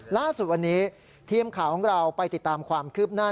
ล่าสุดวันนี้ทีมข่าวของเราไปติดตามความคืบหน้า